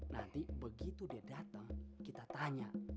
nanti begitu dia datang kita tanya